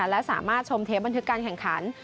และสามารถชมเทปบันทึกการแข่งขัน